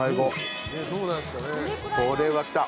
これはきた。